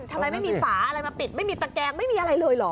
ทำไมไม่มีฝาอะไรมาปิดไม่มีตะแกงไม่มีอะไรเลยเหรอ